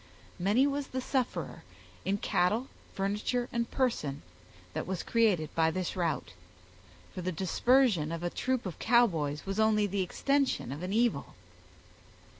Many was the sufferer, in cattle, furniture, and person, that was created by this rout; for the dispersion of a troop of Cowboys was only the extension of an evil.